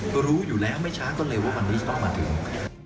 ก็รู้อยู่แล้วไม่ช้าก็เลยว่าวันนี้จะต้องมาถึง